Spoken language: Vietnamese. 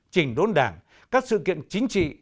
chỉnh đốn đảng các sự kiện chính trị